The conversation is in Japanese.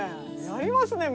やりますね